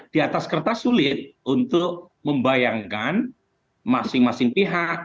di atas kertas sulit untuk membayangkan masing masing pihak